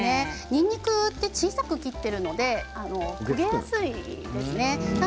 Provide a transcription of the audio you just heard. にんにくって小さく切っているので焦げやすいんですね。